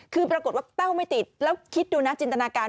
คือปรากฏว่าแต้วไม่ติดแล้วคิดดูนะจินตนาการ